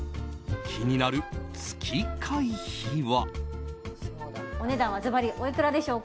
気になる月会費は。